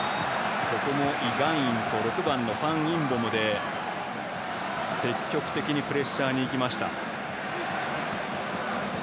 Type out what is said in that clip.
イ・ガンインと６番のファン・インボムで積極的にプレッシャーに行きました。